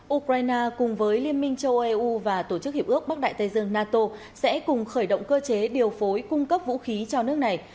ukraine cùng với liên minh châu âu eu và tổ chức hiệp ước bắc đại tây dương nato sẽ cùng khởi động cơ chế điều phối cung cấp vũ khí cho nước này